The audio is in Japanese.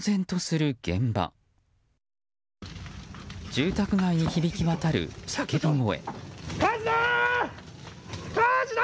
住宅街に響き渡る叫び声。